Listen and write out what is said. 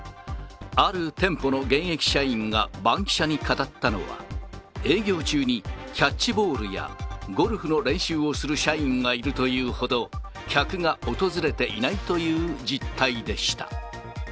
ある店舗の現役社員がバンキシャに語ったのは、営業中に、キャッチボールやゴルフの練習をする社員がいるというほど、客が訪れていないという実態でした。